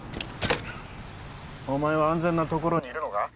お前は安全なところにいるのか？